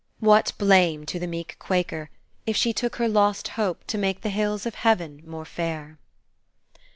What blame to the meek Quaker, if she took her lost hope to make the hills of heaven more fair?